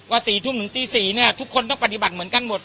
๔ทุ่มถึงตี๔เนี่ยทุกคนต้องปฏิบัติเหมือนกันหมด